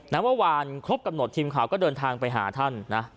เมื่อวานครบกำหนดทีมข่าวก็เดินทางไปหาท่านนะ